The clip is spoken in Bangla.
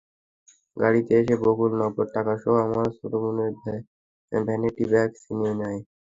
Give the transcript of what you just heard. গাড়িতে এসে বকুল নগদ টাকাসহ আমার ছোট বোনের ভ্যানিটি ব্যাগ ছিনিয়ে নেয়।